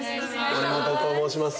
森本と申します。